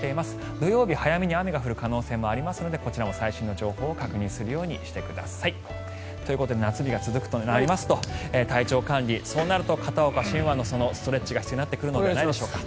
土曜日、早めに雨が降る可能性もありますのでこちらも最新の情報を確認するようにしてください。ということで夏日が続くとなりますと体調管理、そうなると片岡信和のストレッチが必要になってくるのではないでしょうか。